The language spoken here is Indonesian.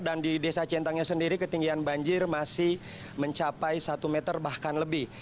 dan di desa cientengnya sendiri ketinggian banjir masih mencapai satu meter bahkan lebih